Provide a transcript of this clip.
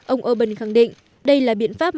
ông orbán khẳng định đây là biện pháp